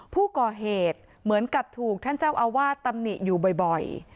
ผู้ก่อเหตุเหมือนกับถูกท่านเจ้าอาวาสตำหนิอยู่บ่อย